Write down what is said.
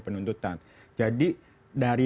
penuntutan jadi dari